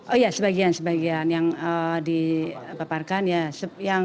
oh ya sebagian sebagian yang dipaparkan ya